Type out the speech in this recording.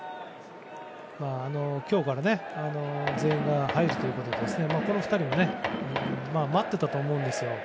今日から全員が入るということでこの２人も待っていたと思うんですよ。